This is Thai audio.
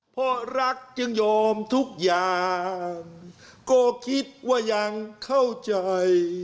เพราะรักจึงยอมทุกอย่างก็คิดว่ายังเข้าใจ